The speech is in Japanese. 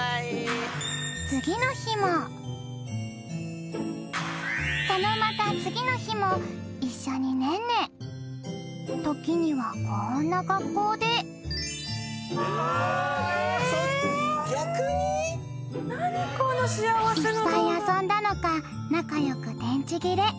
次の日もそのまた次の日も一緒にねんね時にはこんな格好でいっぱい遊んだのか仲良く電池切れ